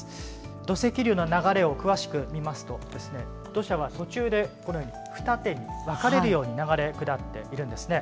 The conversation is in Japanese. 土石流の流れを詳しく見ますとですね、土砂は途中でこのように二手に分かれるように流れ下っているんですね。